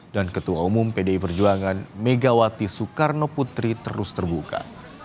dan ketua umum pdi perjuangan megawati soekarno putri terus terbuka